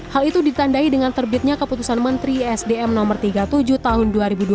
hal itu ditandai dengan terbitnya keputusan menteri sdm no tiga puluh tujuh tahun dua ribu dua puluh